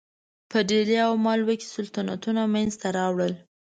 په ډهلي او مالوه کې سلطنتونه منځته راوړل.